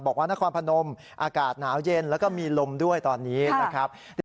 นครพนมอากาศหนาวเย็นแล้วก็มีลมด้วยตอนนี้นะครับ